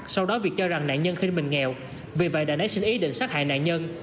sau đó việt cho rằng nạn nhân khi mình nghèo vì vậy đã nảy sinh ý định sát hại nạn nhân